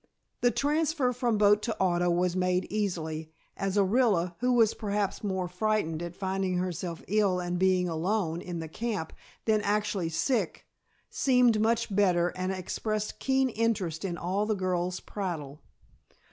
The transfer from boat to auto was made easily, as Orilla, who was perhaps more frightened at finding herself ill and being alone in the camp than actually sick, seemed much better and expressed keen interest in all the girls' prattle.